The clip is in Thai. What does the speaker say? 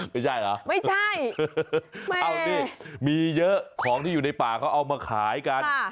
ไม่ใช่เหรอไม่ใช่เอานี่มีเยอะของที่อยู่ในป่าเขาเอามาขายกัน